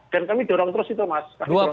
dan kami dorong terus itu mas